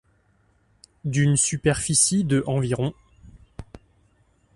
D'une superficie de environ.